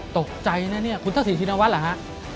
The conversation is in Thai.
ตกใจนะเนี่ยคุณทักษิณชินวัฒน์เหรอฮะ